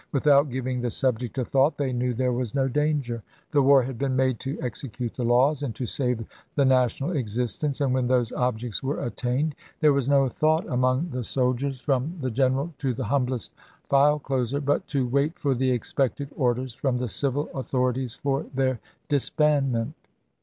Without giving the subject a thought they knew there was no danger. The war had been made to execute the laws and to save the national existence, and when those objects were attained there was no thought among the soldiers, THE END OF REBELLION 337 from the general to the humblest file closer, but to ch. xvii. wait for the expected orders from the civil authori ties for their disbandment.